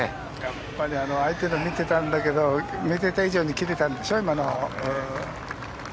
やっぱり相手の見てたんだけど見ていた以上に切れたんでしょ今の。